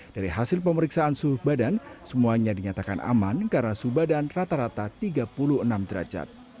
dari hasil pemeriksaan suhu badan semuanya dinyatakan aman karena suhu badan rata rata tiga puluh enam derajat